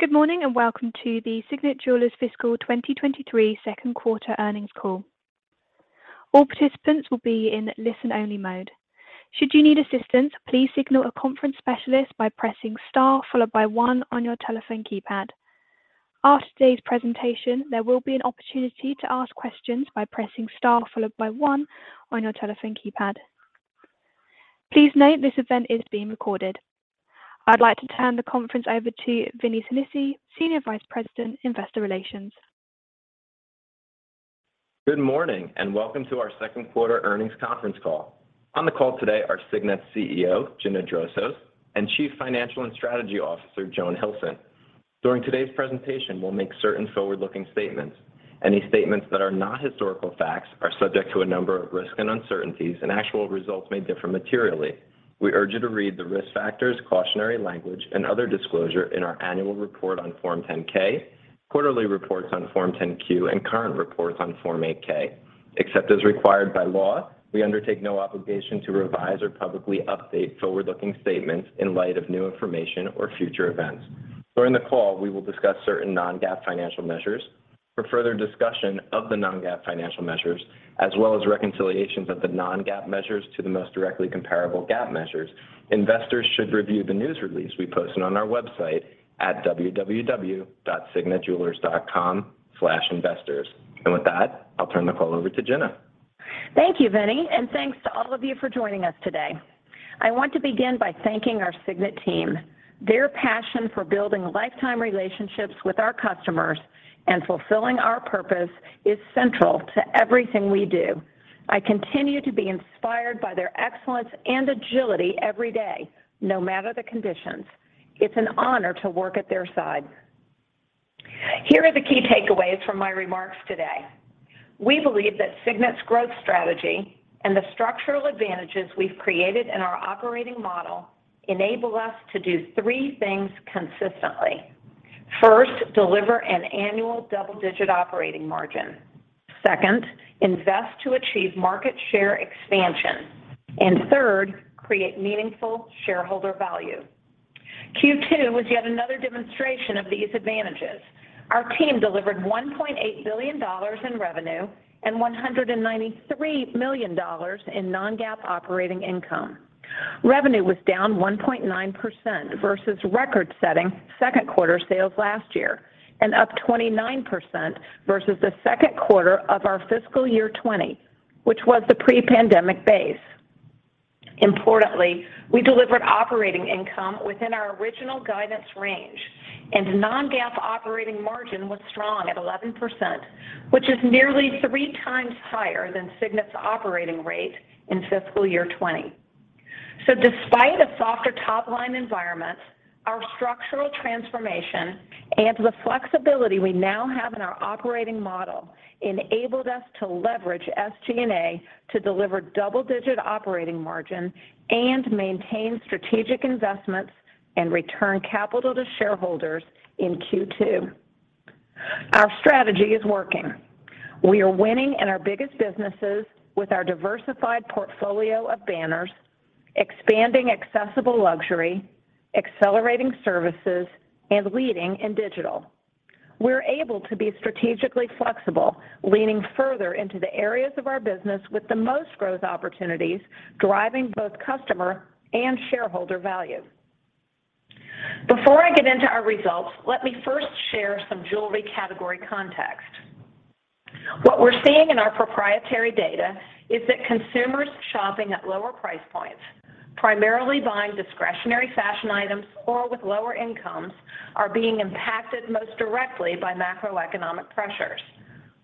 Good morning, and welcome to the Signet Jewelers Fiscal 2023 second quarter earnings call. All participants will be in listen-only mode. Should you need assistance, please signal a conference specialist by pressing Star followed by one on your telephone keypad. After today's presentation, there will be an opportunity to ask questions by pressing Star followed by one on your telephone keypad. Please note this event is being recorded. I'd like to turn the conference over to Vinnie Sinisi, Senior Vice President, Investor Relations. Good morning, and welcome to our second quarter earnings conference call. On the call today are Signet CEO, Gina Drosos, and Chief Financial and Strategy Officer, Joan Hilson. During today's presentation, we'll make certain forward-looking statements. Any statements that are not historical facts are subject to a number of risks and uncertainties, and actual results may differ materially. We urge you to read the risk factors, cautionary language, and other disclosure in our annual report on Form 10-K, quarterly reports on Form 10-Q, and current reports on Form 8-K. Except as required by law, we undertake no obligation to revise or publicly update forward-looking statements in light of new information or future events. During the call, we will discuss certain non-GAAP financial measures. For further discussion of the non-GAAP financial measures, as well as reconciliations of the non-GAAP measures to the most directly comparable GAAP measures, investors should review the news release we posted on our website at www.signetjewelers.com/investors. With that, I'll turn the call over to Gina Drosos. Thank you, Vinnie, and thanks to all of you for joining us today. I want to begin by thanking our Signet team. Their passion for building lifetime relationships with our customers and fulfilling our purpose is central to everything we do. I continue to be inspired by their excellence and agility every day, no matter the conditions. It's an honor to work at their side. Here are the key takeaways from my remarks today. We believe that Signet's growth strategy and the structural advantages we've created in our operating model enable us to do three things consistently. First, deliver an annual double-digit operating margin. Second, invest to achieve market share expansion. And third, create meaningful shareholder value. Q2 was yet another demonstration of these advantages. Our team delivered $1.8 billion in revenue and $193 million in non-GAAP operating income. Revenue was down 1.9% versus record-setting second quarter sales last year, and up 29% versus the second quarter of our fiscal year 2020, which was the pre-pandemic base. Importantly, we delivered operating income within our original guidance range, and non-GAAP operating margin was strong at 11%, which is nearly three times higher than Signet's operating rate in fiscal year 2020. Despite a softer top-line environment, our structural transformation and the flexibility we now have in our operating model enabled us to leverage SG&A to deliver double-digit operating margin and maintain strategic investments and return capital to shareholders in Q2. Our strategy is working. We are winning in our biggest businesses with our diversified portfolio of banners, expanding accessible luxury, accelerating services, and leading in digital. We're able to be strategically flexible, leaning further into the areas of our business with the most growth opportunities, driving both customer and shareholder value. Before I get into our results, let me first share some jewelry category context. What we're seeing in our proprietary data is that consumers shopping at lower price points, primarily buying discretionary fashion items or with lower incomes, are being impacted most directly by macroeconomic pressures.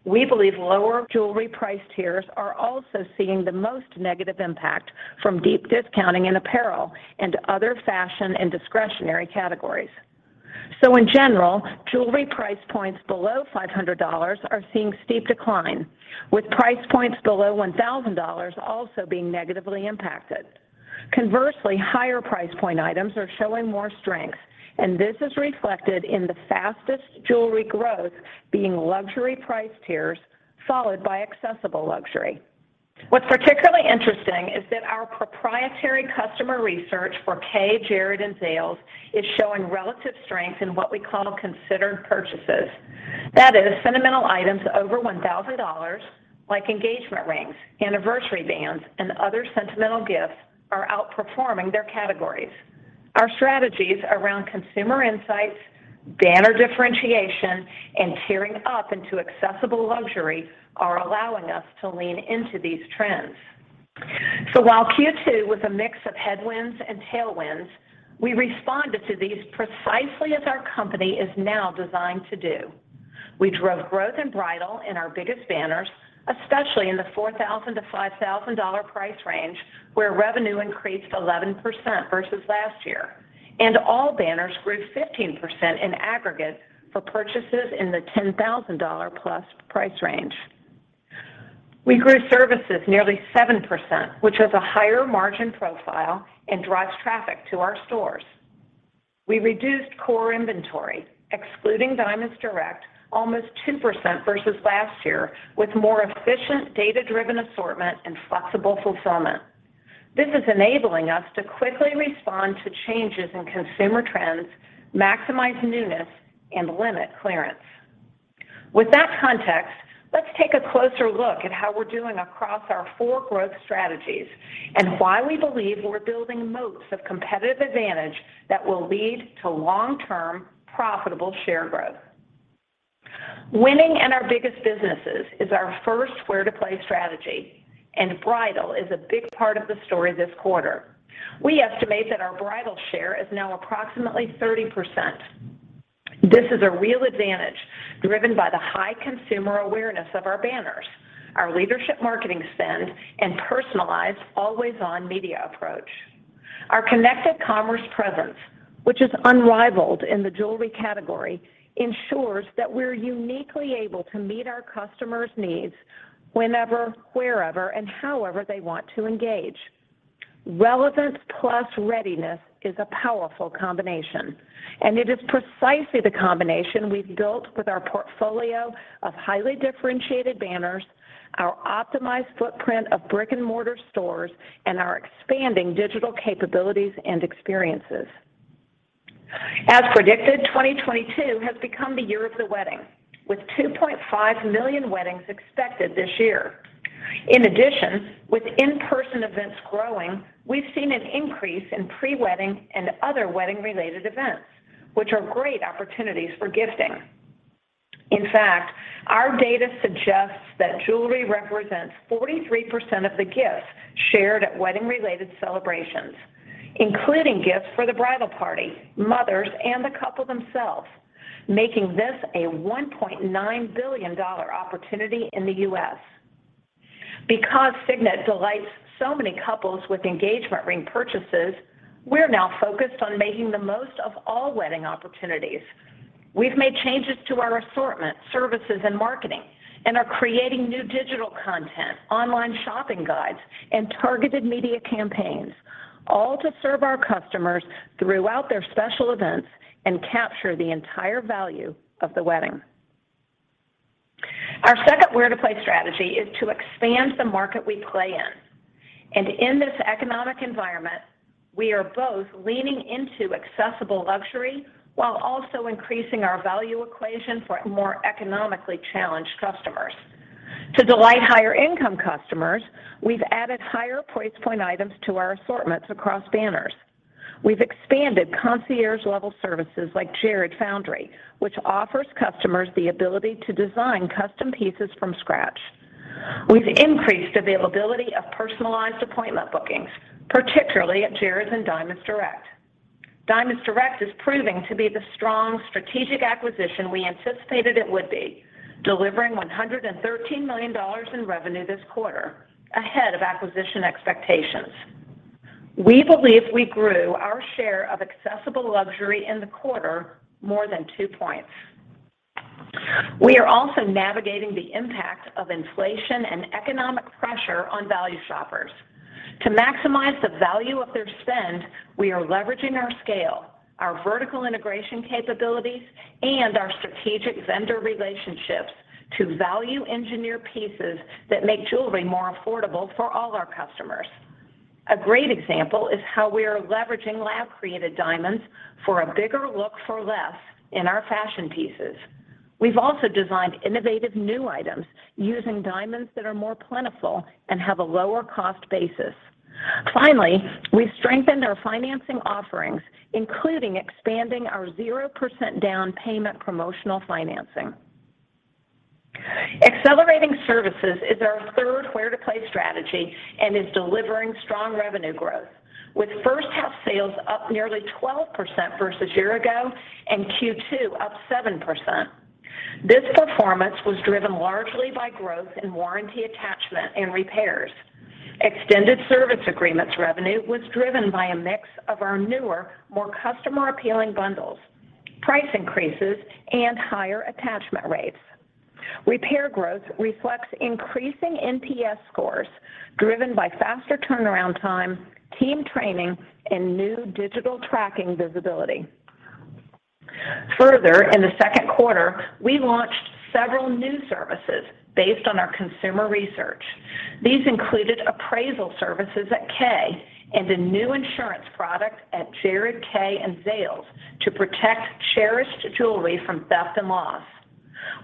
We believe lower jewelry price tiers are also seeing the most negative impact from deep discounting in apparel and other fashion and discretionary categories. In general, jewelry price points below $500 are seeing steep decline, with price points below $1,000 also being negatively impacted. Conversely, higher price point items are showing more strength, and this is reflected in the fastest jewelry growth being luxury price tiers, followed by accessible luxury. What's particularly interesting is that our proprietary customer research for Kay, Jared, and Zales is showing relative strength in what we call considered purchases. That is, sentimental items over $1,000, like engagement rings, anniversary bands, and other sentimental gifts, are outperforming their categories. Our strategies around consumer insights, banner differentiation, and tiering up into accessible luxury are allowing us to lean into these trends. So while Q2 was a mix of headwinds and tailwinds, we responded to these precisely as our company is now designed to do. We drove growth in bridal in our biggest banners, especially in the $4,000-$5,000 price range, where revenue increased 11% versus last year. All banners grew 15% in aggregate for purchases in the $10,000+ price range. We grew services nearly 7%, which has a higher margin profile and drives traffic to our stores. We reduced core inventory, excluding Diamonds Direct, almost 2% versus last year with more efficient data-driven assortment and flexible fulfillment. This is enabling us to quickly respond to changes in consumer trends, maximize newness and limit clearance. With that context, let's take a closer look at how we're doing across our four growth strategies and why we believe we're building moats of competitive advantage that will lead to long-term profitable share growth. Winning in our biggest businesses is our first where to play strategy, and bridal is a big part of the story this quarter. We estimate that our bridal share is now approximately 30%. This is a real advantage driven by the high consumer awareness of our banners, our leadership marketing spend, and personalized always-on media approach. Our Connected Commerce presence, which is unrivaled in the jewelry category, ensures that we're uniquely able to meet our customers' needs whenever, wherever, and however they want to engage. Relevance plus readiness is a powerful combination, and it is precisely the combination we've built with our portfolio of highly differentiated banners, our optimized footprint of brick-and-mortar stores, and our expanding digital capabilities and experiences. As predicted, 2022 has become the year of the wedding, with 2.5 million weddings expected this year. In addition, with in-person events growing, we've seen an increase in pre-wedding and other wedding-related events, which are great opportunities for gifting. In fact, our data suggests that jewelry represents 43% of the gifts shared at wedding-related celebrations, including gifts for the bridal party, mothers, and the couple themselves, making this a $1.9 billion opportunity in the U.S. Because Signet delights so many couples with engagement ring purchases, we're now focused on making the most of all wedding opportunities. We've made changes to our assortment, services, and marketing and are creating new digital content, online shopping guides, and targeted media campaigns, all to serve our customers throughout their special events and capture the entire value of the wedding. Our second where-to-play strategy is to expand the market we play in. In this economic environment, we are both leaning into accessible luxury while also increasing our value equation for more economically challenged customers. To delight higher-income customers, we've added higher price point items to our assortments across banners. We've expanded concierge-level services like Jared Foundry, which offers customers the ability to design custom pieces from scratch. We've increased availability of personalized appointment bookings, particularly at Jared and Diamonds Direct. Diamonds Direct is proving to be the strong strategic acquisition we anticipated it would be, delivering $113 million in revenue this quarter, ahead of acquisition expectations. We believe we grew our share of accessible luxury in the quarter more than 2 points. We are also navigating the impact of inflation and economic pressure on value shoppers. To maximize the value of their spend, we are leveraging our scale, our vertical integration capabilities, and our strategic vendor relationships to value engineer pieces that make jewelry more affordable for all our customers. A great example is how we are leveraging lab-created diamonds for a bigger look for less in our fashion pieces. We've also designed innovative new items using diamonds that are more plentiful and have a lower cost basis. Finally, we've strengthened our financing offerings, including expanding our 0% down payment promotional financing. Accelerating services is our third where-to-play strategy and is delivering strong revenue growth. With first half sales up nearly 12% versus year-ago and Q2 up 7%. This performance was driven largely by growth in warranty attachment and repairs. Extended service agreements revenue was driven by a mix of our newer, more customer-appealing bundles, price increases, and higher attachment rates. Repair growth reflects increasing NPS scores driven by faster turnaround time, team training, and new digital tracking visibility. Further, in the second quarter, we launched several new services based on our consumer research. These included appraisal services at Kay and a new insurance product at Jared, Kay, and Zales to protect cherished jewelry from theft and loss.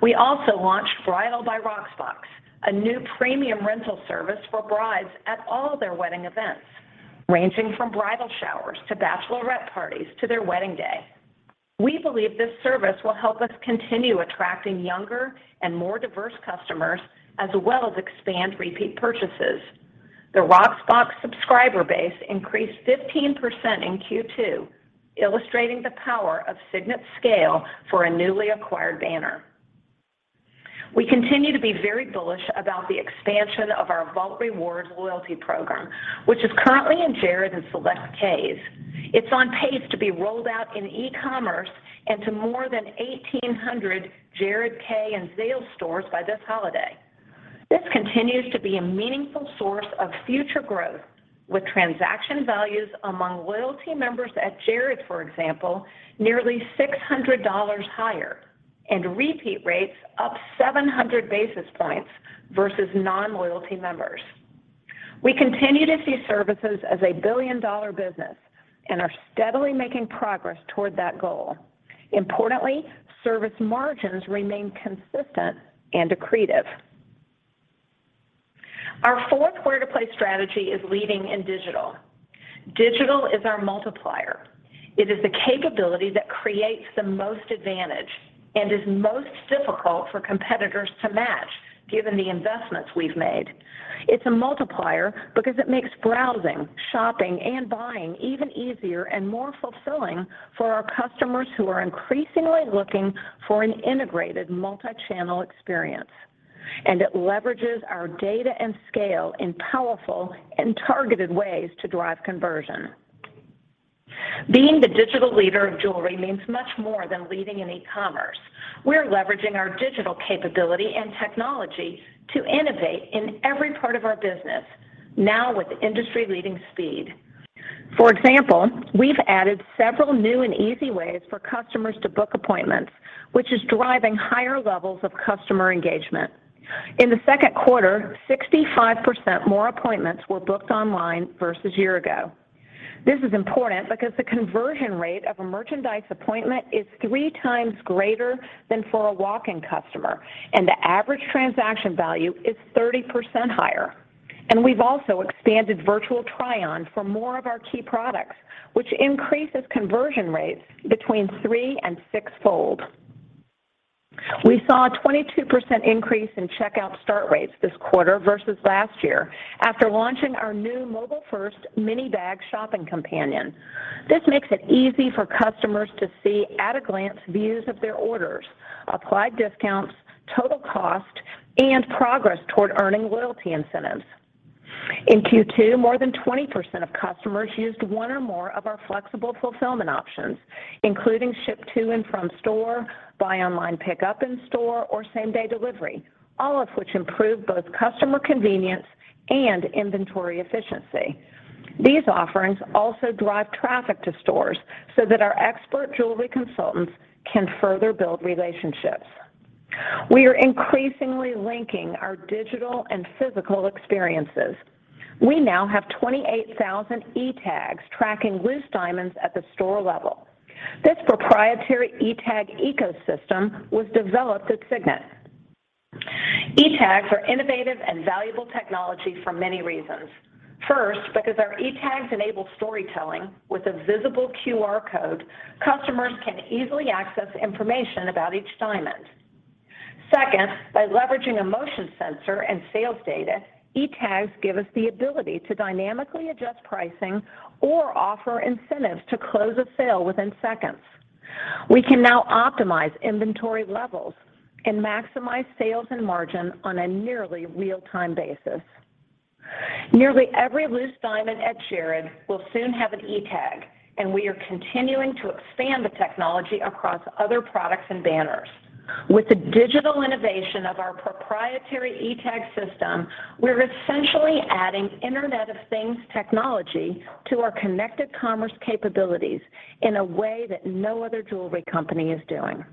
We also launched Bridal by Rocksbox, a new premium rental service for brides at all their wedding events, ranging from bridal showers to bachelorette parties to their wedding day. We believe this service will help us continue attracting younger and more diverse customers, as well as expand repeat purchases. The Rocksbox subscriber base increased 15% in Q2, illustrating the power of Signet Scale for a newly acquired banner. We continue to be very bullish about the expansion of our Vault Rewards loyalty program, which is currently in Jared and select Kay's. It's on pace to be rolled out in e-commerce and to more than 1,800 Jared, Kay, and Zales stores by this holiday. This continues to be a meaningful source of future growth with transaction values among loyalty members at Jared, for example, nearly $600 higher. Repeat rates up 700 basis points versus non-loyalty members. We continue to see services as a billion-dollar business and are steadily making progress toward that goal. Importantly, service margins remain consistent and accretive. Our fourth way to play strategy is leading in digital. Digital is our multiplier. It is the capability that creates the most advantage and is most difficult for competitors to match given the investments we've made. It's a multiplier because it makes browsing, shopping, and buying even easier and more fulfilling for our customers who are increasingly looking for an integrated multi-channel experience. It leverages our data and scale in powerful and targeted ways to drive conversion. Being the digital leader of jewelry means much more than leading in e-commerce. We're leveraging our digital capability and technology to innovate in every part of our business now with industry-leading speed. For example, we've added several new and easy ways for customers to book appointments, which is driving higher levels of customer engagement. In the second quarter, 65% more appointments were booked online versus year ago. This is important because the conversion rate of a merchandise appointment is three times greater than for a walk-in customer, and the average transaction value is 30% higher. We've also expanded virtual try-on for more of our key products, which increases conversion rates between three and six fold. We saw a 22% increase in checkout start rates this quarter versus last year after launching our new mobile-first mini bag shopping companion. This makes it easy for customers to see at-a-glance views of their orders, applied discounts, total cost, and progress toward earning loyalty incentives. In Q2, more than 20% of customers used one or more of our flexible fulfillment options, including ship to and from store, buy online, pick up in store, or same-day delivery, all of which improve both customer convenience and inventory efficiency. These offerings also drive traffic to stores so that our expert jewelry consultants can further build relationships. We are increasingly linking our digital and physical experiences. We now have 28,000 eTags tracking loose diamonds at the store level. This proprietary eTag ecosystem was developed at Signet. eTags are innovative and valuable technology for many reasons. First, because our eTags enable storytelling with a visible QR code, customers can easily access information about each diamond. Second, by leveraging a motion sensor and sales data, eTags give us the ability to dynamically adjust pricing or offer incentives to close a sale within seconds. We can now optimize inventory levels and maximize sales and margin on a nearly real-time basis. Nearly every loose diamond at Jared will soon have an eTag, and we are continuing to expand the technology across other products and banners. With the digital innovation of our proprietary eTag system, we're essentially adding Internet of Things technology to our Connected Commerce capabilities in a way that no other jewelry company is doing.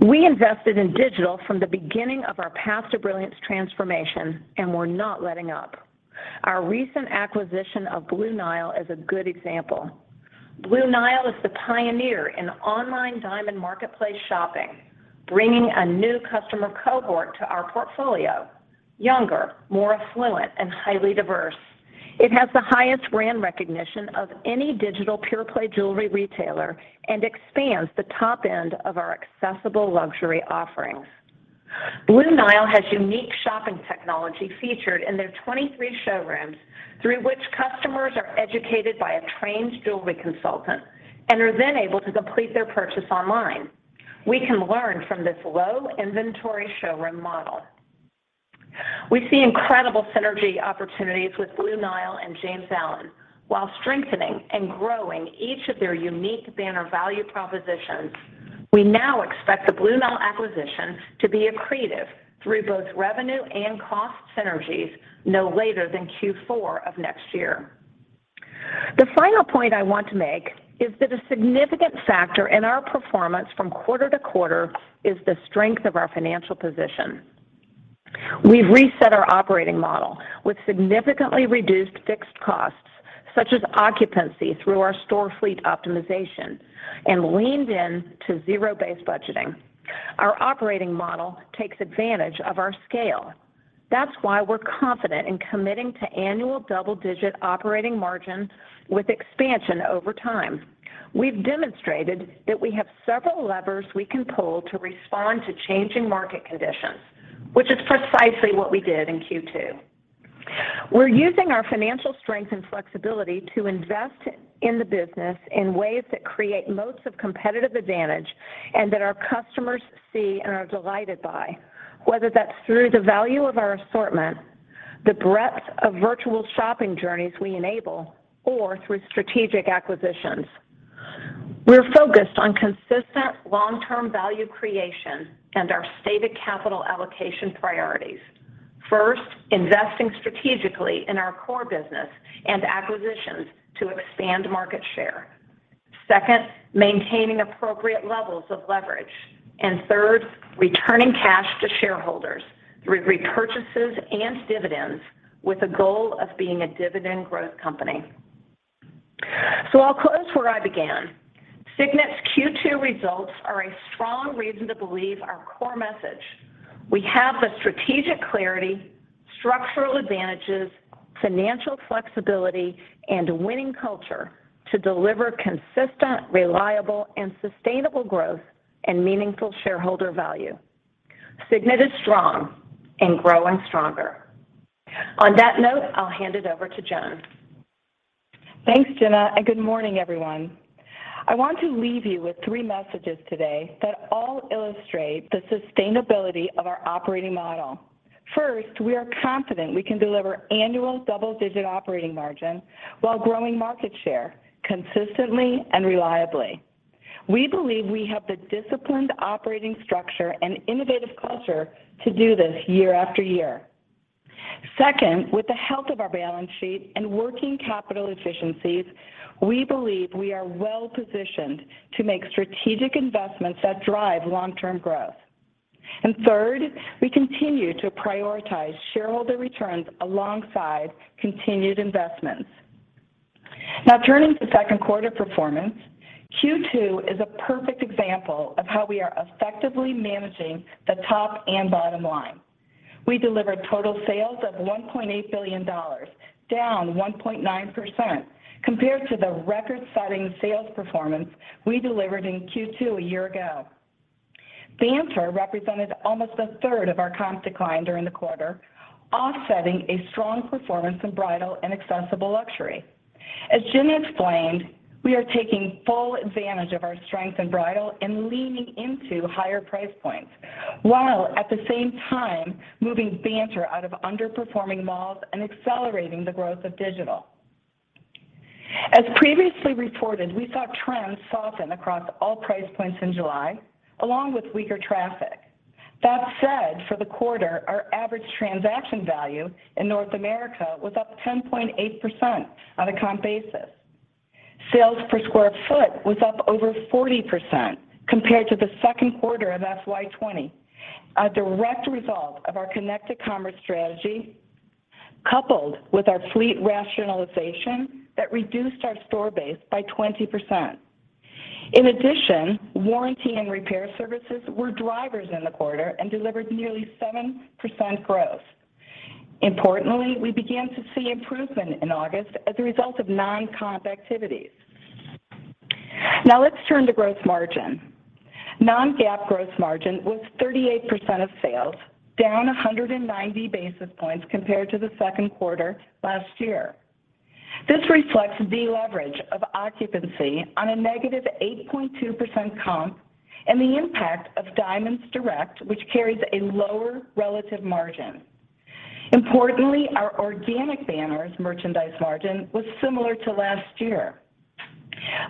We invested in digital from the beginning of our Path to Brilliance transformation, and we're not letting up. Our recent acquisition of Blue Nile is a good example. Blue Nile is the pioneer in online diamond marketplace shopping, bringing a new customer cohort to our portfolio, younger, more affluent, and highly diverse. It has the highest brand recognition of any digital pure-play jewelry retailer and expands the top end of our accessible luxury offerings. Blue Nile has unique shopping technology featured in their 23 showrooms through which customers are educated by a trained jewelry consultant and are then able to complete their purchase online. We can learn from this low-inventory showroom model. We see incredible synergy opportunities with Blue Nile and James Allen while strengthening and growing each of their unique banner value propositions. We now expect the Blue Nile acquisition to be accretive through both revenue and cost synergies no later than Q4 of next year. The final point I want to make is that a significant factor in our performance from quarter to quarter is the strength of our financial position. We've reset our operating model with significantly reduced fixed costs, such as occupancy through our store fleet optimization, and leaned in to zero-based budgeting. Our operating model takes advantage of our scale. That's why we're confident in committing to annual double-digit operating margin with expansion over time. We've demonstrated that we have several levers we can pull to respond to changing market conditions, which is precisely what we did in Q2. We're using our financial strength and flexibility to invest in the business in ways that create moats of competitive advantage and that our customers see and are delighted by, whether that's through the value of our assortment, the breadth of virtual shopping journeys we enable, or through strategic acquisitions. We're focused on consistent long-term value creation and our stated capital allocation priorities. First, investing strategically in our core business and acquisitions to expand market share. Second, maintaining appropriate levels of leverage. Third, returning cash to shareholders through repurchases and dividends with the goal of being a dividend growth company. I'll close where I began. Signet's Q2 results are a strong reason to believe our core message. We have the strategic clarity, structural advantages, financial flexibility, and winning culture to deliver consistent, reliable, and sustainable growth and meaningful shareholder value. Signet is strong and growing stronger. On that note, I'll hand it over to Joan. Thanks, Gina, and good morning, everyone. I want to leave you with three messages today that all illustrate the sustainability of our operating model. First, we are confident we can deliver annual double-digit operating margin while growing market share consistently and reliably. We believe we have the disciplined operating structure and innovative culture to do this year after year. Second, with the health of our balance sheet and working capital efficiencies, we believe we are well-positioned to make strategic investments that drive long-term growth. Third, we continue to prioritize shareholder returns alongside continued investments. Now turning to second quarter performance, Q2 is a perfect example of how we are effectively managing the top and bottom line. We delivered total sales of $1.8 billion, down 1.9% compared to the record-setting sales performance we delivered in Q2 a year ago. Banter represented almost a third of our comp decline during the quarter, offsetting a strong performance in bridal and accessible luxury. As Gina explained, we are taking full advantage of our strength in bridal and leaning into higher price points, while at the same time moving Banter out of underperforming malls and accelerating the growth of digital. As previously reported, we saw trends soften across all price points in July, along with weaker traffic. That said, for the quarter, our average transaction value in North America was up 10.8% on a comp basis. Sales per square foot was up over 40% compared to the second quarter of FY 2020, a direct result of our Connected Commerce strategy coupled with our fleet rationalization that reduced our store base by 20%. In addition, warranty and repair services were drivers in the quarter and delivered nearly 7% growth. Importantly, we began to see improvement in August as a result of non-comp activities. Now let's turn to gross margin. Non-GAAP gross margin was 38% of sales, down 190 basis points compared to the second quarter last year. This reflects the leverage of occupancy on a negative 8.2% comp and the impact of Diamonds Direct, which carries a lower relative margin. Importantly, our organic banners merchandise margin was similar to last year.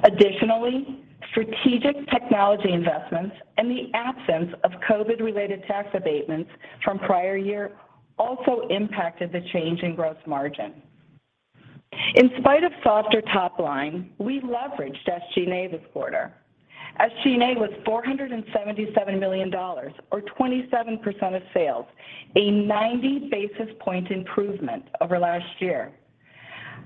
Additionally, strategic technology investments and the absence of COVID-related tax abatements from prior year also impacted the change in gross margin. In spite of softer top line, we leveraged SG&A this quarter. SG&A was $477 million or 27% of sales, a 90 basis point improvement over last year.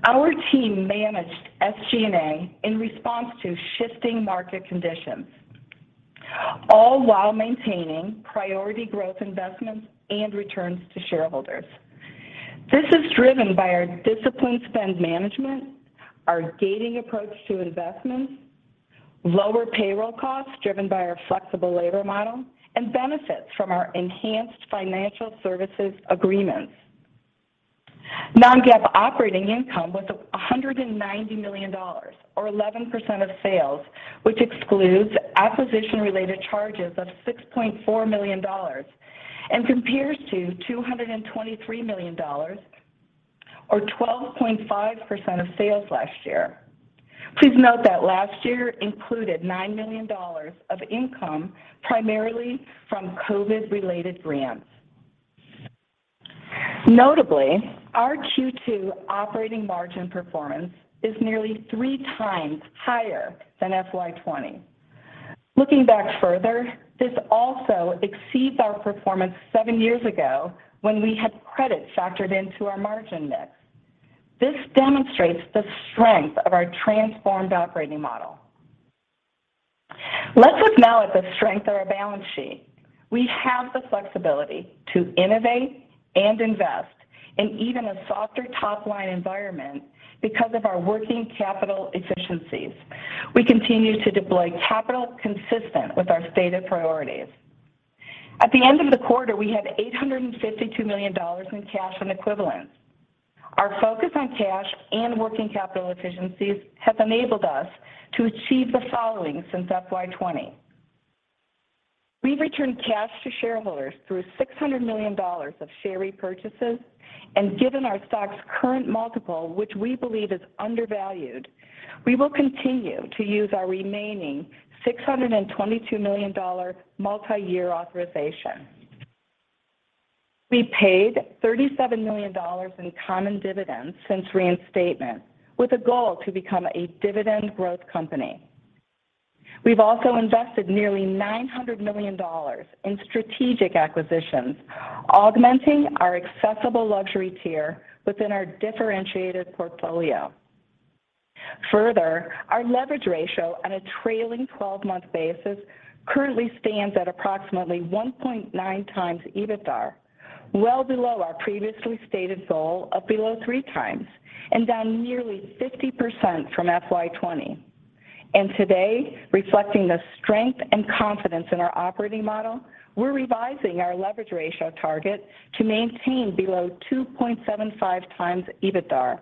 Our team managed SG&A in response to shifting market conditions, all while maintaining priority growth investments and returns to shareholders. This is driven by our disciplined spend management, our gating approach to investments, lower payroll costs driven by our flexible labor model, and benefits from our enhanced financial services agreements. Non-GAAP operating income was $190 million or 11% of sales, which excludes acquisition-related charges of $6.4 million and compares to $223 million or 12.5% of sales last year. Please note that last year included $9 million of income primarily from COVID-related grants. Notably, our Q2 operating margin performance is nearly three times higher than FY 2020. Looking back further, this also exceeds our performance seven years ago when we had credit factored into our margin mix. This demonstrates the strength of our transformed operating model. Let's look now at the strength of our balance sheet. We have the flexibility to innovate and invest in even a softer top-line environment because of our working capital efficiencies. We continue to deploy capital consistent with our stated priorities. At the end of the quarter, we had $852 million in cash and equivalents. Our focus on cash and working capital efficiencies have enabled us to achieve the following since FY 2020. We returned cash to shareholders through $600 million of share repurchases. Given our stock's current multiple, which we believe is undervalued, we will continue to use our remaining $622 million-dollar multi-year authorization. We paid $37 million in common dividends since reinstatement with a goal to become a dividend growth company. We've also invested nearly $900 million in strategic acquisitions, augmenting our accessible luxury tier within our differentiated portfolio. Further, our leverage ratio on a trailing 12-month basis currently stands at approximately 1.9x EBITDAR, well below our previously stated goal of below 3x and down nearly 50% from FY 2020. Today, reflecting the strength and confidence in our operating model, we're revising our leverage ratio target to maintain below 2.75x EBITDAR.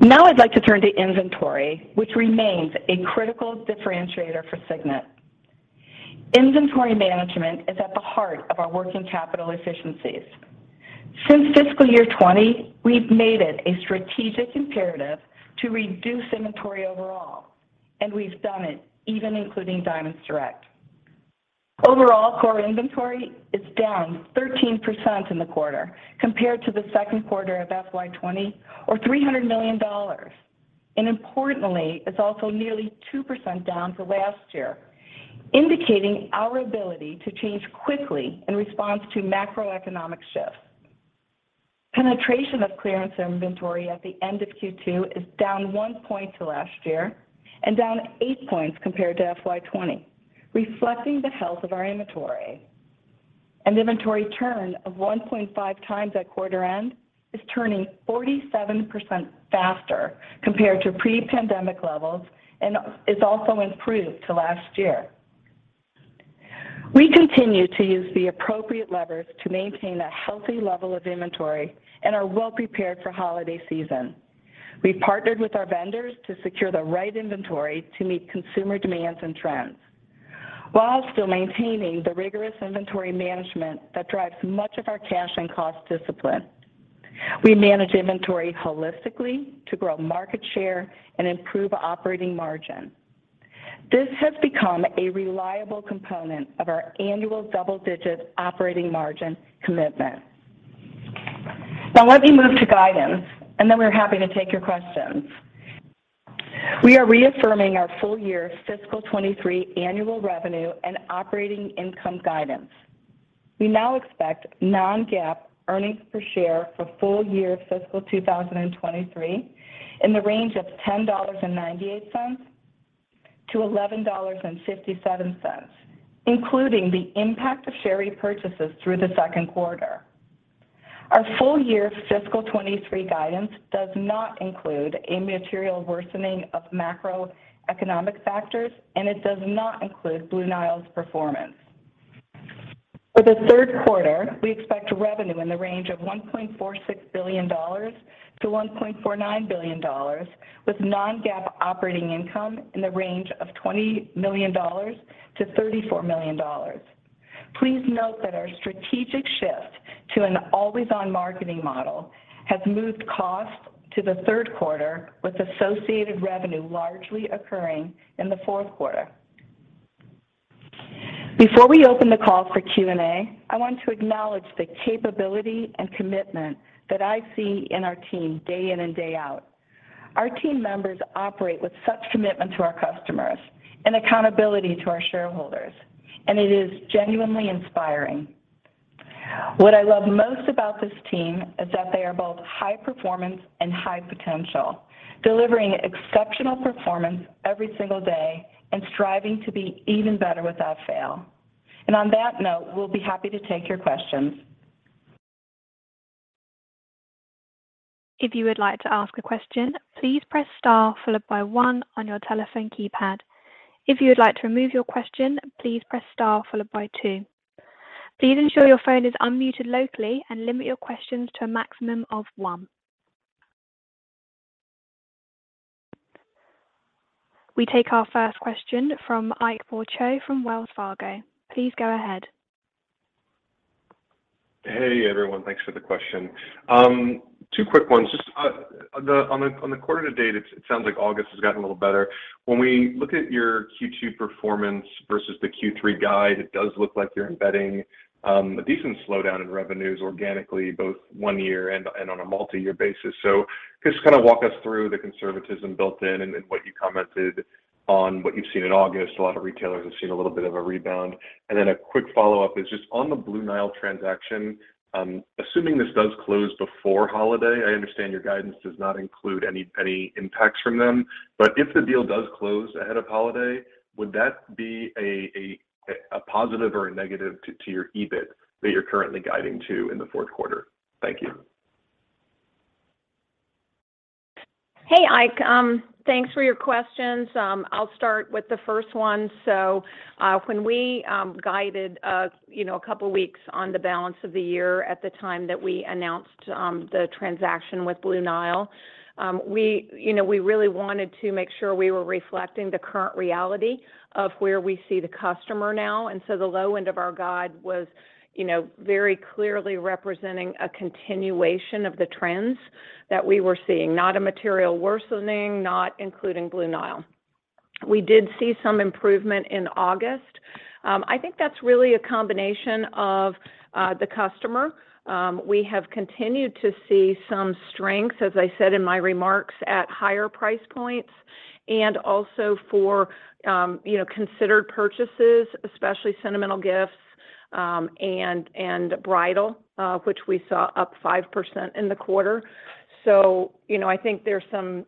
Now I'd like to turn to inventory, which remains a critical differentiator for Signet. Inventory management is at the heart of our working capital efficiencies. Since fiscal year 2020, we've made it a strategic imperative to reduce inventory overall, and we've done it even including Diamonds Direct. Overall, core inventory is down 13% in the quarter compared to the second quarter of FY 2020 or $300 million. Importantly, it's also nearly 2% down for last year, indicating our ability to change quickly in response to macroeconomic shifts. Penetration of clearance inventory at the end of Q2 is down 1 point to last year and down 8 points compared to FY 2020, reflecting the health of our inventory. Inventory turn of 1.5x at quarter end is turning 47% faster compared to pre-pandemic levels and is also improved to last year. We continue to use the appropriate levers to maintain a healthy level of inventory and are well-prepared for holiday season. We've partnered with our vendors to secure the right inventory to meet consumer demands and trends while still maintaining the rigorous inventory management that drives much of our cash and cost discipline. We manage inventory holistically to grow market share and improve operating margin. This has become a reliable component of our annual double-digit operating margin commitment. Now let me move to guidance, and then we're happy to take your questions. We are reaffirming our full-year fiscal 2023 annual revenue and operating income guidance. We now expect non-GAAP earnings per share for full-year fiscal 2023 in the range of $10.98-$11.57, including the impact of share repurchases through the second quarter. Our full-year fiscal 2023 guidance does not include a material worsening of macroeconomic factors, and it does not include Blue Nile's performance. For the third quarter, we expect revenue in the range of $1.46 billion-$1.49 billion, with non-GAAP operating income in the range of $20 million-$34 million. Please note that our strategic shift to an always-on marketing model has moved costs to the third quarter, with associated revenue largely occurring in the fourth quarter. Before we open the call for Q&A, I want to acknowledge the capability and commitment that I see in our team day in and day out. Our team members operate with such commitment to our customers and accountability to our shareholders, and it is genuinely inspiring. What I love most about this team is that they are both high performance and high potential, delivering exceptional performance every single day and striving to be even better without fail. On that note, we'll be happy to take your questions. If you would like to ask a question, please press star followed by one on your telephone keypad. If you would like to remove your question, please press star followed by two. Please ensure your phone is unmuted locally and limit your questions to a maximum of one. We take our first question from Ike Boruchow from Wells Fargo. Please go ahead. Hey, everyone. Thanks for the question. Two quick ones. Just on the quarter to date, it sounds like August has gotten a little better. When we look at your Q2 performance versus the Q3 guide, it does look like you're embedding a decent slowdown in revenues organically, both one year and on a multi-year basis. Just kinda walk us through the conservatism built in and what you commented on what you've seen in August. A lot of retailers have seen a little bit of a rebound. Then a quick follow-up is just on the Blue Nile transaction, assuming this does close before holiday, I understand your guidance does not include any impacts from them. If the deal does close ahead of holiday, would that be a positive or a negative to your EBIT that you're currently guiding to in the fourth quarter? Thank you. Hey, Ike. Thanks for your questions. I'll start with the first one. When we guided, you know, a couple weeks ago on the balance of the year at the time that we announced the transaction with Blue Nile, you know, we really wanted to make sure we were reflecting the current reality of where we see the customer now. The low end of our guide was, you know, very clearly representing a continuation of the trends that we were seeing, not a material worsening, not including Blue Nile. We did see some improvement in August. I think that's really a combination of the customer. We have continued to see some strengths, as I said in my remarks, at higher price points and also for, you know, considered purchases, especially sentimental gifts, and bridal, which we saw up 5% in the quarter. You know, I think there's some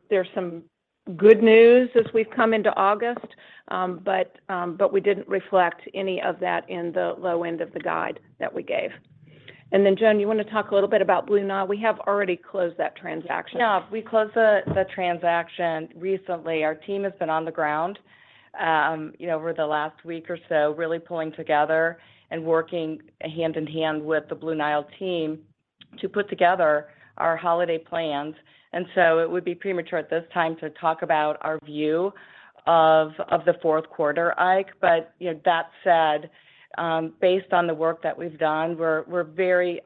good news as we've come into August. We didn't reflect any of that in the low end of the guide that we gave. Then Joan, you wanna talk a little bit about Blue Nile? We have already closed that transaction. Yeah. We closed the transaction recently. Our team has been on the ground, you know, over the last week or so, really pulling together and working hand in hand with the Blue Nile team to put together our holiday plans. It would be premature at this time to talk about our view of the fourth quarter, Ike. You know, that said, based on the work that we've done, we're very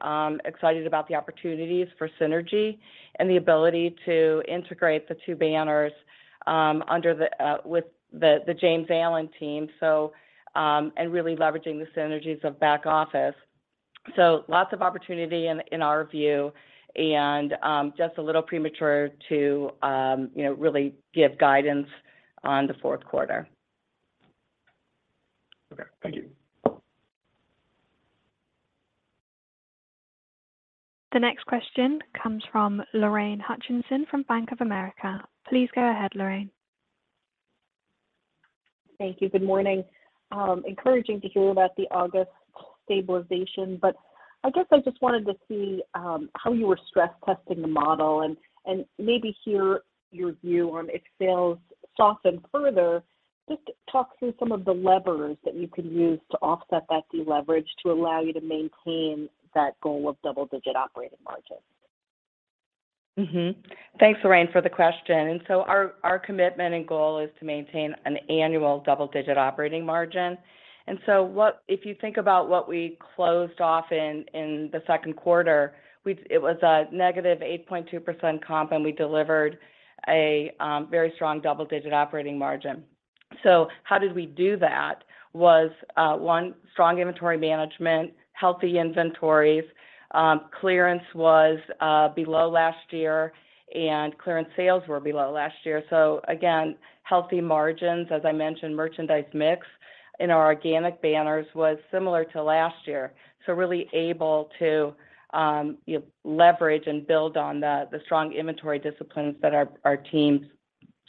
excited about the opportunities for synergy and the ability to integrate the two banners with the James Allen team, and really leveraging the synergies of back office. Lots of opportunity in our view, and just a little premature to you know, really give guidance on the fourth quarter. Okay. Thank you. The next question comes from Lorraine Hutchinson from Bank of America. Please go ahead, Lorraine. Thank you. Good morning. Encouraging to hear about the August stabilization. I guess I just wanted to see how you were stress testing the model and maybe hear your view on if sales soften further. Just talk through some of the levers that you could use to offset that deleverage to allow you to maintain that goal of double-digit operating margin. Thanks, Lorraine, for the question. Our commitment and goal is to maintain an annual double-digit operating margin. If you think about what we closed off in the second quarter, it was a negative 8.2% comp, and we delivered a very strong double-digit operating margin. How did we do that was one, strong inventory management, healthy inventories. Clearance was below last year, and clearance sales were below last year. Again, healthy margins. As I mentioned, merchandise mix in our organic banners was similar to last year. Really able to you know, leverage and build on the strong inventory disciplines that our teams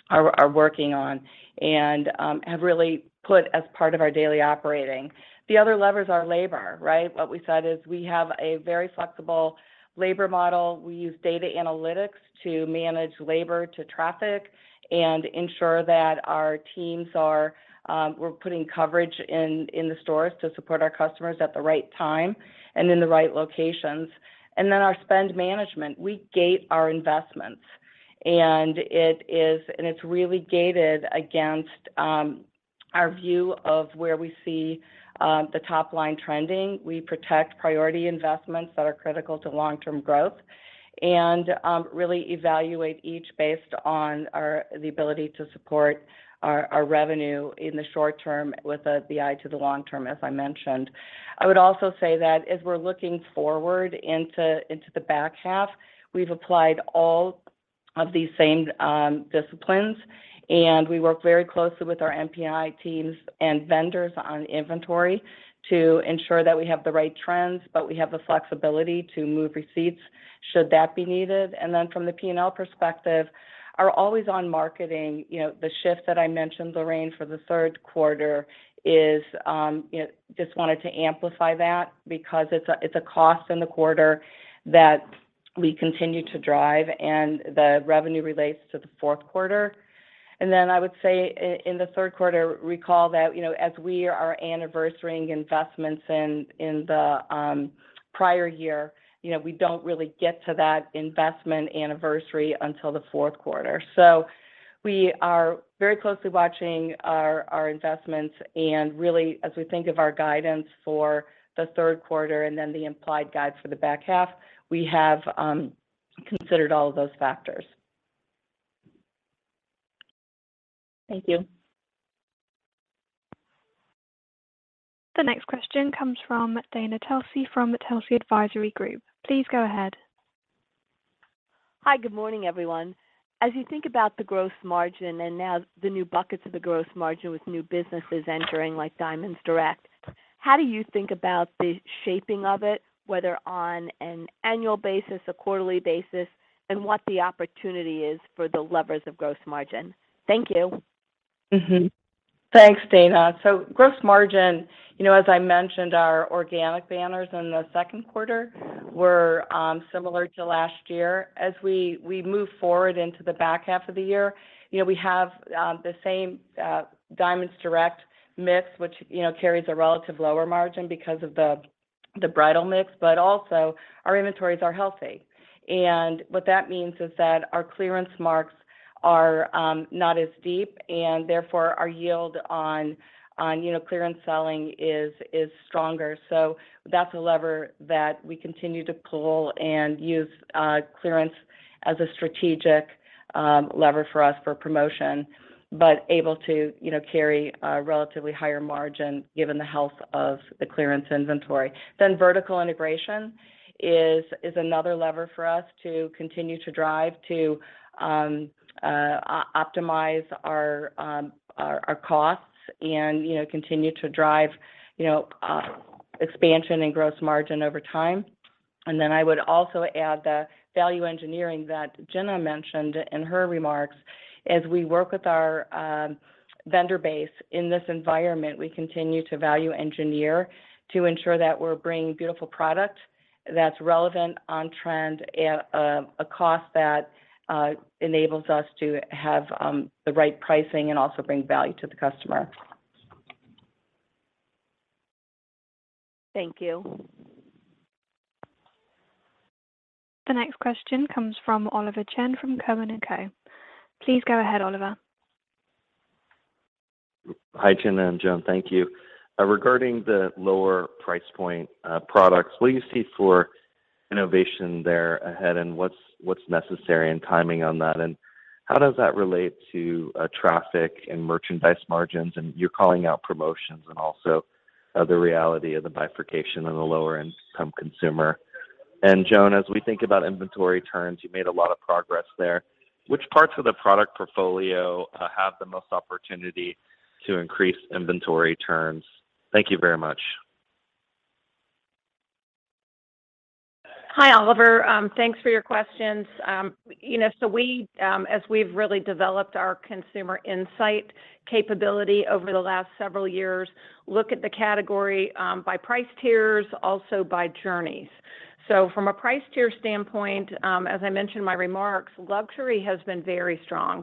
are working on and have really put as part of our daily operating. The other levers are labor, right? What we said is we have a very flexible labor model. We use data analytics to manage labor to traffic and ensure that our teams are putting coverage in the stores to support our customers at the right time and in the right locations. Our spend management, we gate our investments, and it's really gated against our view of where we see the top line trending. We protect priority investments that are critical to long-term growth and really evaluate each based on the ability to support our revenue in the short term with the eye to the long term, as I mentioned. I would also say that as we're looking forward into the back half, we've applied all of these same disciplines, and we work very closely with our NPI teams and vendors on inventory to ensure that we have the right trends, but we have the flexibility to move receipts should that be needed. From the P&L perspective, our always on marketing, you know, the shift that I mentioned, Lorraine, for the third quarter is, you know, just wanted to amplify that because it's a cost in the quarter that we continue to drive, and the revenue relates to the fourth quarter. I would say in the third quarter, recall that, you know, as we are anniversarying investments in the prior year, you know, we don't really get to that investment anniversary until the fourth quarter. We are very closely watching our investments, and really, as we think of our guidance for the third quarter and then the implied guides for the back half, we have considered all of those factors. Thank you. The next question comes from Dana Telsey from Telsey Advisory Group. Please go ahead. Hi, good morning, everyone. As you think about the gross margin and now the new buckets of the gross margin with new businesses entering like Diamonds Direct, how do you think about the shaping of it, whether on an annual basis, a quarterly basis, and what the opportunity is for the levers of gross margin? Thank you. Thanks, Dana. Gross margin, you know, as I mentioned, our organic banners in the second quarter were similar to last year. As we move forward into the back half of the year, you know, we have the same Diamonds Direct mix, which, you know, carries a relative lower margin because of the bridal mix, but also our inventories are healthy. What that means is that our clearance marks are not as deep, and therefore, our yield on, you know, clearance selling is stronger. That's a lever that we continue to pull and use clearance as a strategic Lever for us for promotion, but able to, you know, carry a relatively higher margin given the health of the clearance inventory. Vertical integration is another lever for us to continue to drive to optimize our costs and, you know, continue to drive, you know, expansion and gross margin over time. I would also add the value engineering that Gina mentioned in her remarks. As we work with our vendor base in this environment, we continue to value engineer to ensure that we're bringing beautiful product that's relevant on trend at a cost that enables us to have the right pricing and also bring value to the customer. Thank you. The next question comes from Oliver Chen from Cowen and Company. Please go ahead, Oliver. Hi, Gina and Joan. Thank you. Regarding the lower price point products, what do you see for innovation there ahead, and what's necessary and timing on that? How does that relate to traffic and merchandise margins? You're calling out promotions and also the reality of the bifurcation of the lower-income consumer. Joan, as we think about inventory turns, you made a lot of progress there. Which parts of the product portfolio have the most opportunity to increase inventory turns? Thank you very much. Hi, Oliver. Thanks for your questions. You know, as we've really developed our consumer insight capability over the last several years, we look at the category by price tiers, also by journeys. From a price tier standpoint, as I mentioned in my remarks, luxury has been very strong.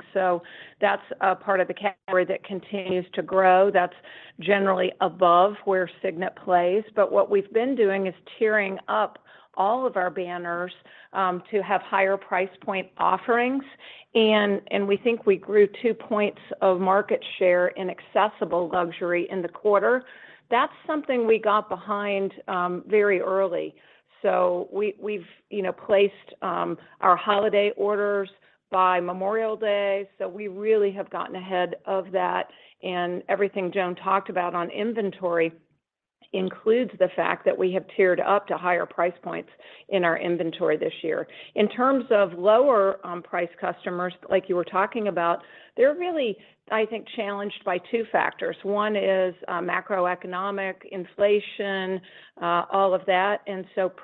That's a part of the category that continues to grow. That's generally above where Signet plays. What we've been doing is tiering up all of our banners to have higher price point offerings. We think we grew two points of market share in accessible luxury in the quarter. That's something we got behind very early. We've, you know, placed our holiday orders by Memorial Day, so we really have gotten ahead of that. Everything Joan talked about on inventory includes the fact that we have tiered up to higher price points in our inventory this year. In terms of lower price customers like you were talking about, they're really, I think, challenged by two factors. One is macroeconomic, inflation, all of that.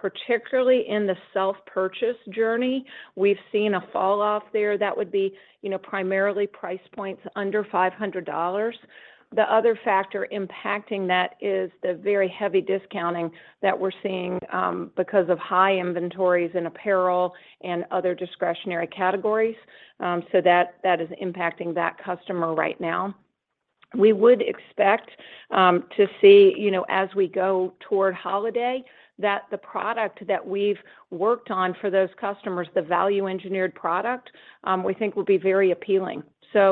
Particularly in the self-purchase journey, we've seen a fall off there that would be, you know, primarily price points under $500. The other factor impacting that is the very heavy discounting that we're seeing because of high inventories in apparel and other discretionary categories. So that is impacting that customer right now. We would expect to see, you know, as we go toward holiday, that the product that we've worked on for those customers, the value engineered product, we think will be very appealing.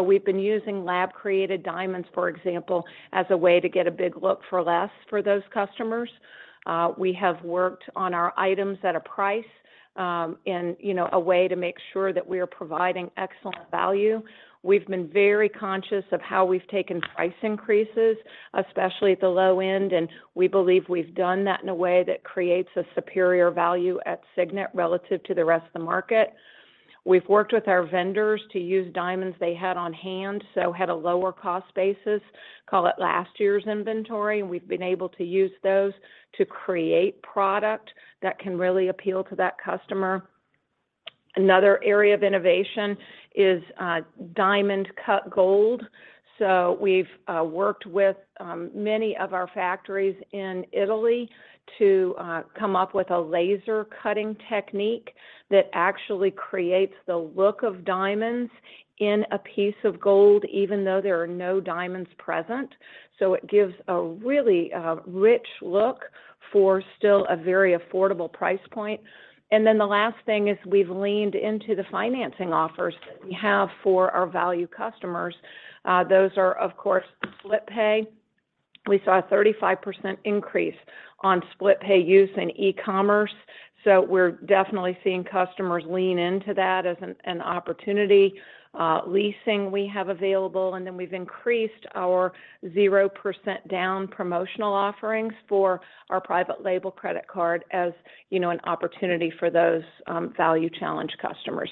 We've been using lab-created diamonds, for example, as a way to get a big look for less for those customers. We have worked on our items at a price, you know, a way to make sure that we are providing excellent value. We've been very conscious of how we've taken price increases, especially at the low end, and we believe we've done that in a way that creates a superior value at Signet relative to the rest of the market. We've worked with our vendors to use diamonds they had on hand, so had a lower cost basis, call it last year's inventory, and we've been able to use those to create product that can really appeal to that customer. Another area of innovation is diamond-cut gold. We've worked with many of our factories in Italy to come up with a laser cutting technique that actually creates the look of diamonds in a piece of gold, even though there are no diamonds present. It gives a really rich look for still a very affordable price point. The last thing is we've leaned into the financing offers that we have for our value customers. Those are, of course, split pay. We saw a 35% increase on split pay use in e-commerce, so we're definitely seeing customers lean into that as an opportunity. Leasing we have available, and then we've increased our 0% down promotional offerings for our private label credit card as, you know, an opportunity for those value challenged customers.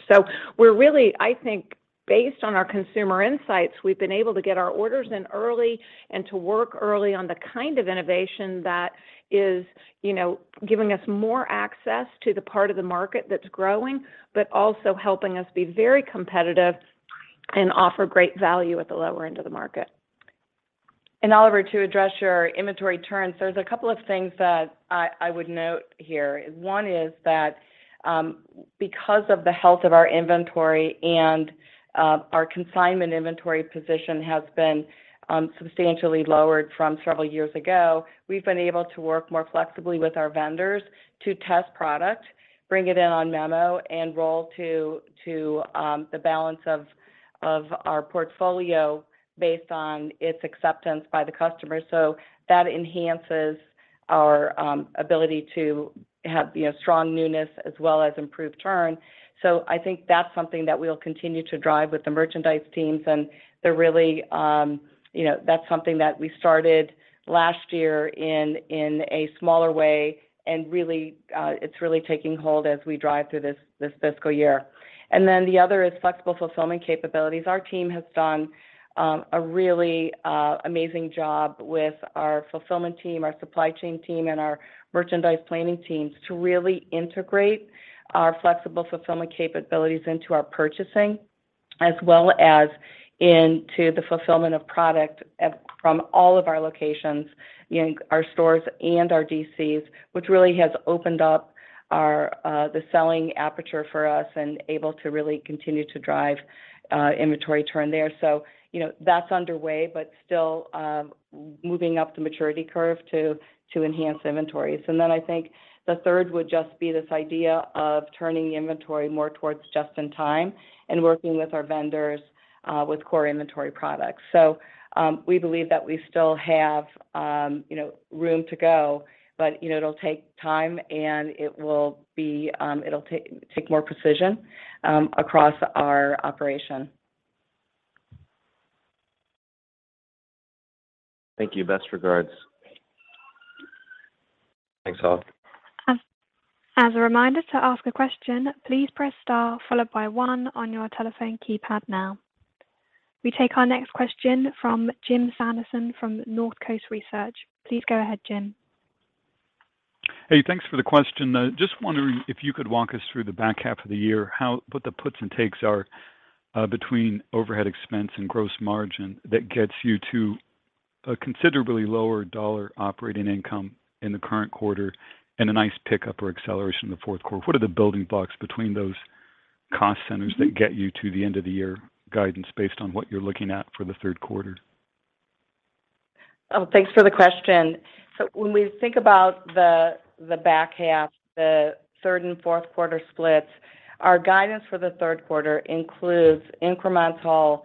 We're really, I think, based on our consumer insights, we've been able to get our orders in early and to work early on the kind of innovation that is, you know, giving us more access to the part of the market that's growing, but also helping us be very competitive and offer great value at the lower end of the market. Oliver, to address your inventory turns, there's a couple of things that I would note here. One is that, because of the health of our inventory and, our consignment inventory position has been, substantially lowered from several years ago, we've been able to work more flexibly with our vendors to test product, bring it in on memo, and roll to the balance of our portfolio based on its acceptance by the customer. That enhances Our ability to have, you know, strong newness as well as improved turn. I think that's something that we'll continue to drive with the merchandise teams, and they're really, you know, that's something that we started last year in a smaller way. Really, it's really taking hold as we drive through this fiscal year. Then the other is flexible fulfillment capabilities. Our team has done a really amazing job with our fulfillment team, our supply chain team, and our merchandise planning teams to really integrate our flexible fulfillment capabilities into our purchasing as well as into the fulfillment of product from all of our locations, you know, our stores and our DCs, which really has opened up our selling aperture for us and able to really continue to drive inventory turn there. You know, that's underway, but still, moving up the maturity curve to enhance inventories. Then I think the third would just be this idea of turning the inventory more towards just-in-time and working with our vendors, with core inventory products. We believe that we still have, you know, room to go, but, you know, it'll take time, and it will be, it'll take more precision, across our operation. Thank you. Best regards. Thanks all. As a reminder to ask a question, please press star followed by one on your telephone keypad now. We take our next question from Jim Sanderson from Northcoast Research. Please go ahead, Jim. Hey, thanks for the question. Just wondering if you could walk us through the back half of the year, how what the puts and takes are, between overhead expense and gross margin that gets you to a considerably lower dollar operating income in the current quarter and a nice pickup or acceleration in the fourth quarter. What are the building blocks between those cost centers that get you to the end of the year guidance based on what you're looking at for the third quarter? Oh, thanks for the question. When we think about the back half, the third and fourth quarter splits, our guidance for the third quarter includes incremental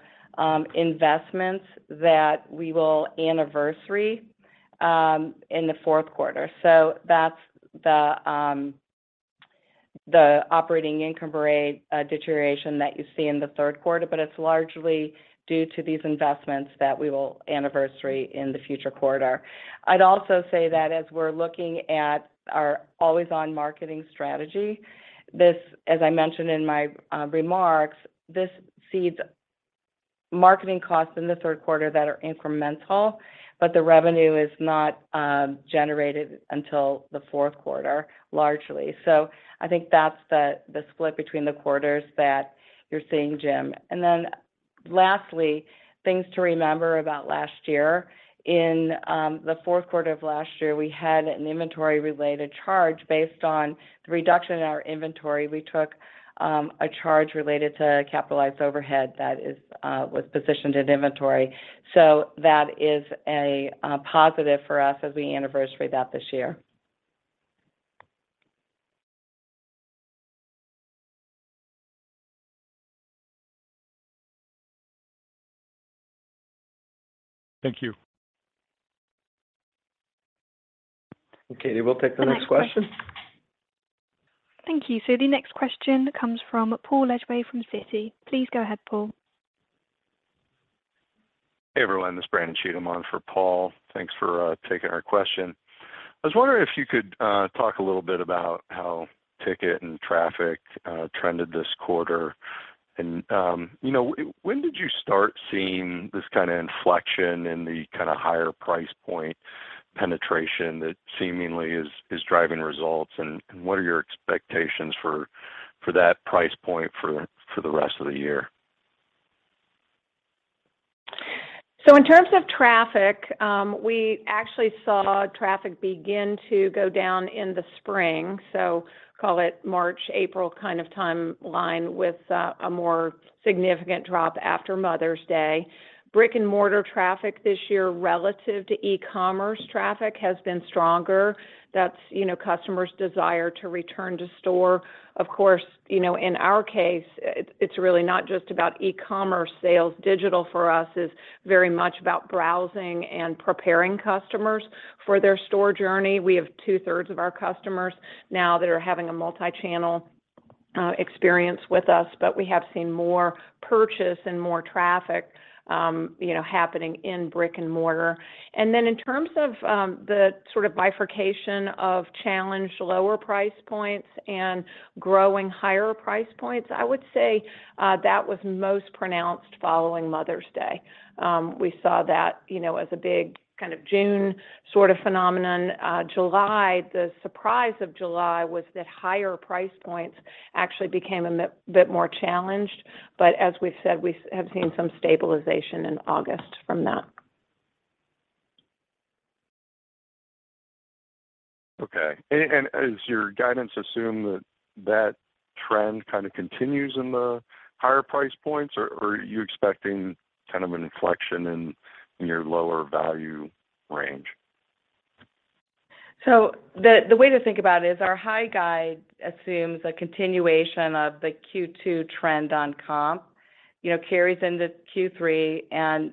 investments that we will anniversary in the fourth quarter. That's the operating income rate deterioration that you see in the third quarter, but it's largely due to these investments that we will anniversary in the fourth quarter. I'd also say that as we're looking at our always-on marketing strategy, this, as I mentioned in my remarks, seeds marketing costs in the third quarter that are incremental, but the revenue is not generated until the fourth quarter, largely. I think that's the split between the quarters that you're seeing, Jim. Lastly, things to remember about last year. In the fourth quarter of last year, we had an inventory related charge based on the reduction in our inventory. We took a charge related to capitalized overhead that was positioned in inventory. That is a positive for us as we anniversary that this year. Thank you. Okay. We'll take the next question. Thank you. The next question comes from Paul Lejuez from Citi. Please go ahead, Paul. Hey, everyone. This is Brandon Cheatham on for Paul. Thanks for taking our question. I was wondering if you could talk a little bit about how ticket and traffic trended this quarter. You know, when did you start seeing this kinda inflection in the kinda higher price point penetration that seemingly is driving results, and what are your expectations for that price point for the rest of the year? In terms of traffic, we actually saw traffic begin to go down in the spring, so call it March, April kind of timeline, with a more significant drop after Mother's Day. Brick-and-mortar traffic this year relative to e-commerce traffic has been stronger. That's you know customers' desire to return to store. Of course, you know, in our case, it's really not just about e-commerce sales. Digital for us is very much about browsing and preparing customers for their store journey. We have two-thirds of our customers now that are having a multi-channel experience with us, but we have seen more purchase and more traffic you know happening in brick-and-mortar. In terms of the sort of bifurcation of challenged lower price points and growing higher price points, I would say that was most pronounced following Mother's Day. We saw that, you know, as a big kind of June sort of phenomenon. July, the surprise of July was that higher price points actually became a bit more challenged. As we've said, we have seen some stabilization in August from that. Okay. Does your guidance assume that trend kinda continues in the higher price points, or are you expecting kind of an inflection in your lower value range? The way to think about it is our high guide assumes a continuation of the Q2 trend on comp, you know, carries into Q3, and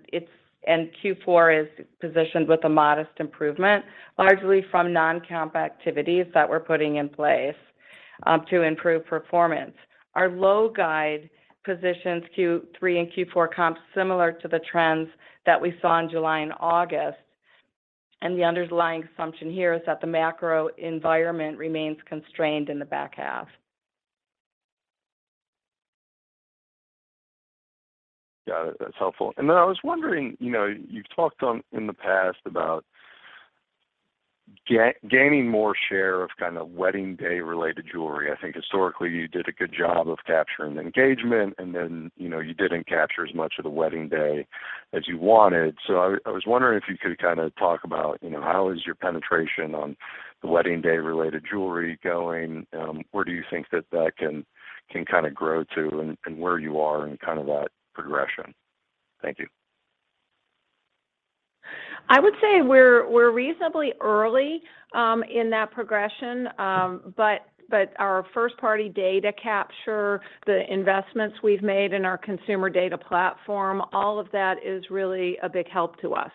Q4 is positioned with a modest improvement, largely from non-comp activities that we're putting in place to improve performance. Our low guide positions Q3 and Q4 comps similar to the trends that we saw in July and August, and the underlying assumption here is that the macro environment remains constrained in the back half. Got it. That's helpful. I was wondering, you know, you've talked in the past about gaining more share of kind of wedding day related jewelry. I think historically you did a good job of capturing the engagement and then, you know, you didn't capture as much of the wedding day as you wanted. I was wondering if you could kind of talk about, you know, how is your penetration on the wedding day related jewelry going? Where do you think that can kind of grow to and where you are in kind of that progression? Thank you. I would say we're reasonably early in that progression, but our first-party data capture, the investments we've made in our consumer data platform, all of that is really a big help to us.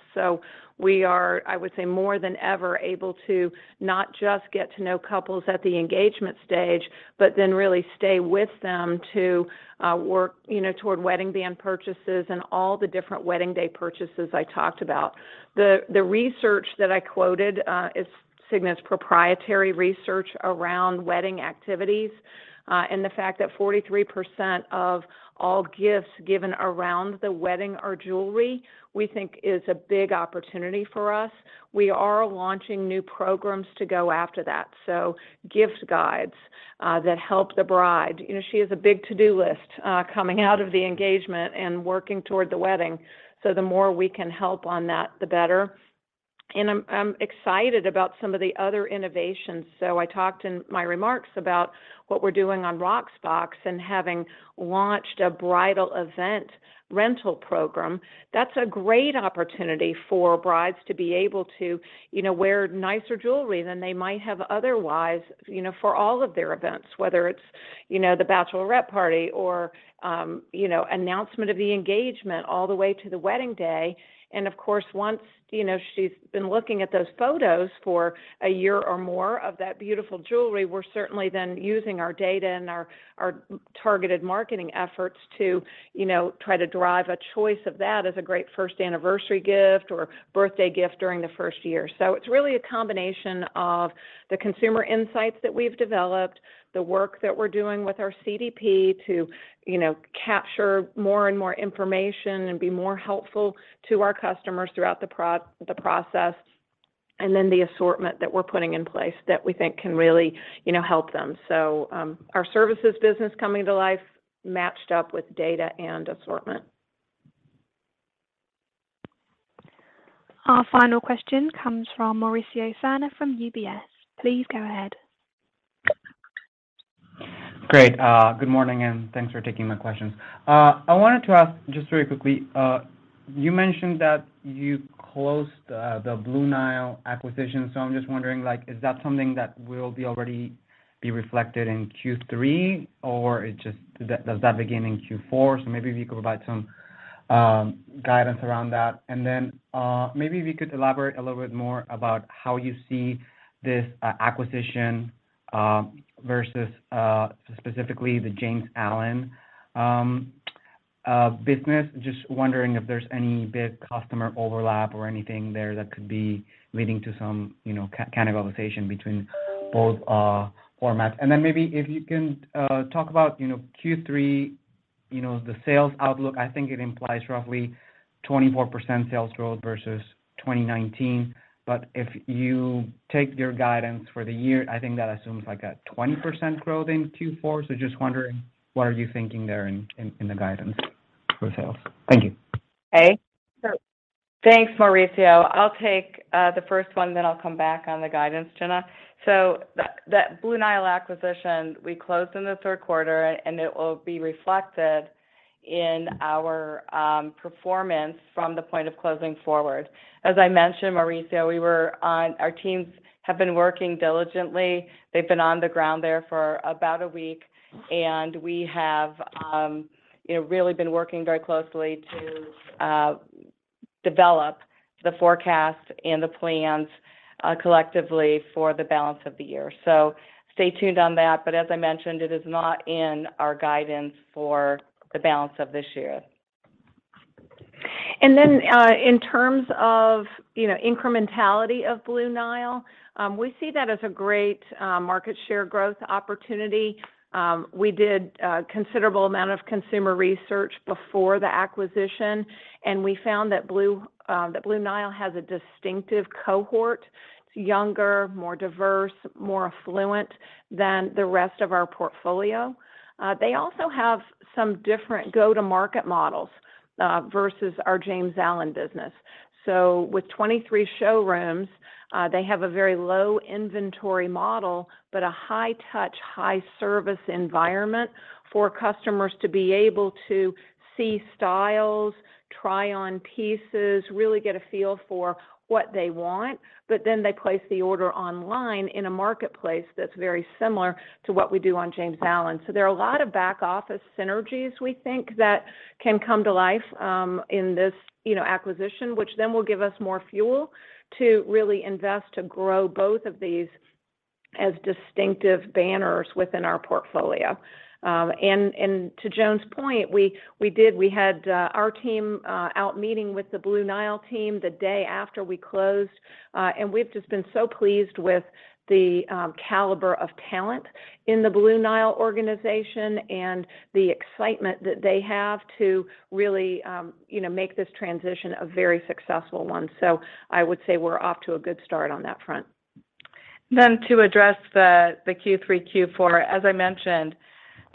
We are, I would say, more than ever able to not just get to know couples at the engagement stage, but then really stay with them to work, you know, toward wedding band purchases and all the different wedding day purchases I talked about. The research that I quoted is Signet's proprietary research around wedding activities, and the fact that 43% of all gifts given around the wedding are jewelry, we think is a big opportunity for us. We are launching new programs to go after that. Gift guides that help the bride. You know, she has a big to-do list, coming out of the engagement and working toward the wedding. The more we can help on that, the better. I'm excited about some of the other innovations. I talked in my remarks about what we're doing on Rocksbox and having launched a bridal event rental program. That's a great opportunity for brides to be able to, you know, wear nicer jewelry than they might have otherwise, you know, for all of their events, whether it's, you know, the bachelorette party or, you know, announcement of the engagement all the way to the wedding day. Of course, once, you know, she's been looking at those photos for a year or more of that beautiful jewelry, we're certainly then using our data and our targeted marketing efforts to, you know, try to drive a choice of that as a great first anniversary gift or birthday gift during the first year. It's really a combination of the consumer insights that we've developed, the work that we're doing with our CDP to, you know, capture more and more information and be more helpful to our customers throughout the process, and then the assortment that we're putting in place that we think can really, you know, help them. Our services business coming to life matched up with data and assortment. Our final question comes from Mauricio Serna from UBS. Please go ahead. Great. Good morning, and thanks for taking my questions. I wanted to ask just very quickly, you mentioned that you closed the Blue Nile acquisition, so I'm just wondering, like, is that something that will already be reflected in Q3, or does that begin in Q4? Maybe if you could provide some guidance around that. And then, maybe if you could elaborate a little bit more about how you see this acquisition versus specifically the James Allen business. Just wondering if there's any big customer overlap or anything there that could be leading to some, you know, cannibalization between both formats. And then maybe if you can talk about Q3, you know, the sales outlook. I think it implies roughly 24% sales growth versus 2019. If you take your guidance for the year, I think that assumes like a 20% growth in Q4. Just wondering what are you thinking there in the guidance for sales? Thank you. Okay. Thanks, Mauricio. I'll take the first one, then I'll come back on the guidance, Gina. That Blue Nile acquisition, we closed in the third quarter, and it will be reflected in our performance from the point of closing forward. As I mentioned, Mauricio, our teams have been working diligently. They've been on the ground there for about a week, and we have, you know, really been working very closely to develop the forecast and the plans collectively for the balance of the year. Stay tuned on that. As I mentioned, it is not in our guidance for the balance of this year. In terms of, you know, incrementality of Blue Nile, we see that as a great market share growth opportunity. We did a considerable amount of consumer research before the acquisition, and we found that Blue Nile has a distinctive cohort. It's younger, more diverse, more affluent than the rest of our portfolio. They also have some different go-to-market models versus our James Allen business. With 23 showrooms, they have a very low inventory model, but a high touch, high service environment for customers to be able to see styles, try on pieces, really get a feel for what they want, but then they place the order online in a marketplace that's very similar to what we do on James Allen. There are a lot of back office synergies we think that can come to life in this acquisition, which then will give us more fuel to really invest to grow both of these as distinctive banners within our portfolio. To Joan's point, we did have our team out meeting with the Blue Nile team the day after we closed. We've just been so pleased with the caliber of talent in the Blue Nile organization and the excitement that they have to really make this transition a very successful one. I would say we're off to a good start on that front. To address the Q3, Q4, as I mentioned,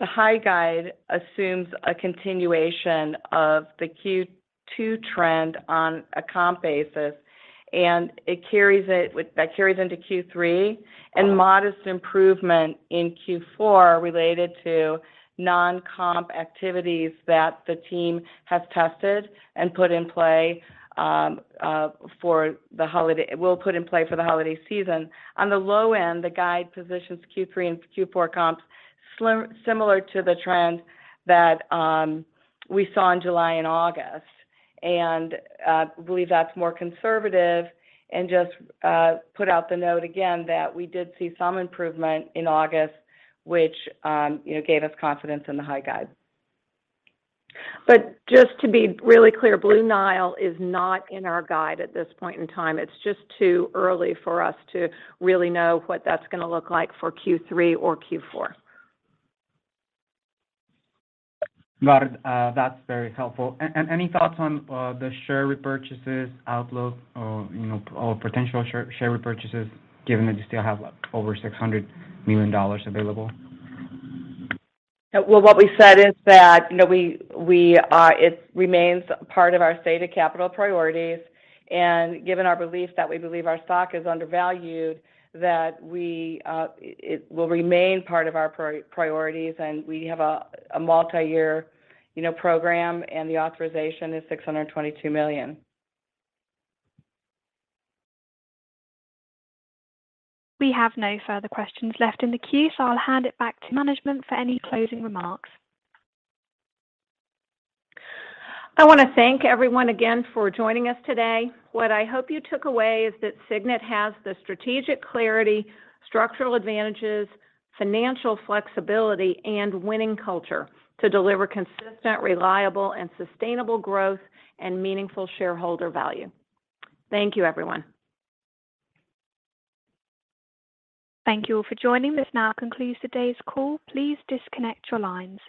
the high guide assumes a continuation of the Q2 trend on a comp basis, and it carries into Q3 and modest improvement in Q4 related to non-comp activities that the team has tested and put in play for the holiday season. On the low end, the guide positions Q3 and Q4 comps similar to the trend that we saw in July and August. Believe that's more conservative and just put out the note again that we did see some improvement in August, which you know, gave us confidence in the high guide. Just to be really clear, Blue Nile is not in our guide at this point in time. It's just too early for us to really know what that's gonna look like for Q3 or Q4. Got it. That's very helpful. Any thoughts on the share repurchases outlook or, you know, or potential share repurchases given that you still have over $600 million available? Well, what we said is that, you know, it remains part of our stewardship of capital priorities, and given our belief that we believe our stock is undervalued, it will remain part of our priorities. We have a multi-year, you know, program, and the authorization is $622 million. We have no further questions left in the queue, so I'll hand it back to management for any closing remarks. I wanna thank everyone again for joining us today. What I hope you took away is that Signet has the strategic clarity, structural advantages, financial flexibility, and winning culture to deliver consistent, reliable, and sustainable growth and meaningful shareholder value. Thank you, everyone. Thank you all for joining. This now concludes today's call. Please disconnect your lines.